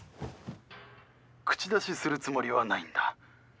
口出しするつもりはないんだ。